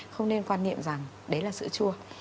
không nên quan niệm rằng đấy là sữa chua